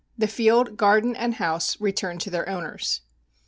The field, garden and house return to their owners.